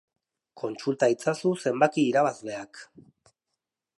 Kontsulta itzazu zenbaki irabazleak.